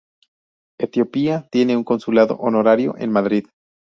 Etiopía tiene un consulado honorario en Madrid.